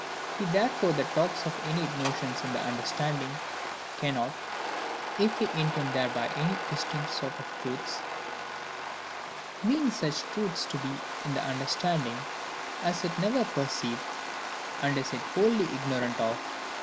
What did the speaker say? He therefore that talks of innate notions in the understanding, cannot (if he intend thereby any distinct sort of truths) mean such truths to be in the understanding as it never perceived, and is yet wholly ignorant of.